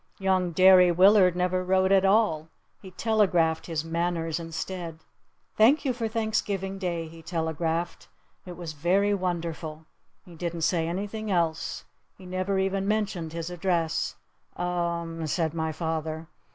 Young Derry Willard never wrote at all. He telegraphed his "manners" instead. "Thank you for Thanksgiving Day," he telegraphed. "It was very wonderful." He didn't say anything else. He never even mentioned his address. "U m m," said my father.